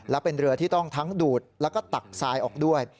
และเป็นเรือที่ต้องทั้งดูดแล้วก็ตักทรายออกด้วย